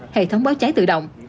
hệ thống báo cháy tự động